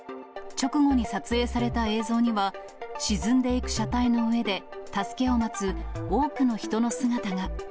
直後に撮影された映像には、沈んでいく車体の上で助けを待つ多くの人の姿が。